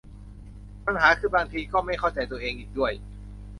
ปัญหาคือบางทีก็ไม่เข้าใจตัวเองอีกด้วย